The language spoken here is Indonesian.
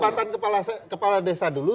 terima kasih tambah masajabatan kepala desa dulu